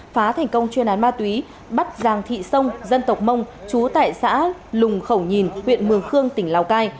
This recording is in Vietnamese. phá thành công chuyên án ma túy bắt giàng thị sông dân tộc mông chú tại xã lùng khẩu nhìn huyện mường khương tỉnh lào cai